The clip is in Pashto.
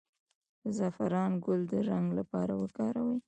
د زعفران ګل د رنګ لپاره وکاروئ